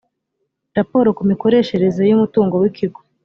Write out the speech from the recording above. raporo ku mikoreshereze y umutungo w ikigo